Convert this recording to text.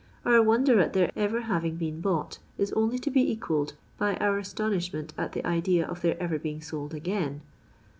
Our wonder at their ever having been bought, is only to be equalled by our astonishment at the idea of their ever being sold again.